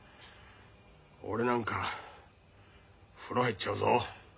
俺なんか風呂入っちゃうぞ。